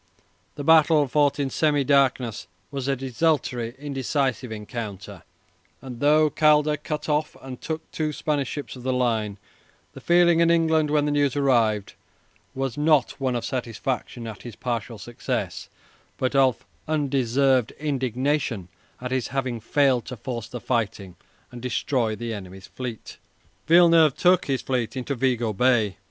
The battle, fought in semi darkness, was a desultory, indecisive encounter, and though Calder cut off and took two Spanish ships of the line, the feeling in England, when the news arrived, was not one of satisfaction at his partial success, but of undeserved indignation at his having failed to force the fighting and destroy the enemy's fleet. Villeneuve took his fleet into Vigo Bay.